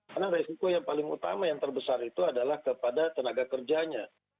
karena resiko yang paling utama yang terbesar itu adalah kepada tenaga kerjanya